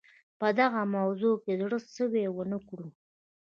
په دغه موضوع کې زړه سوی ونه کړو.